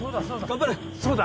頑張れ！